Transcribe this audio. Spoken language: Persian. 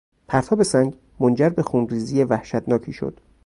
پرتاب سنگ منجر به خونریزی وحشتناکی شد.